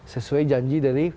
sesuai janji dari